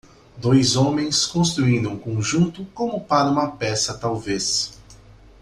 Dois homens construindo um conjunto como para uma peça talvez.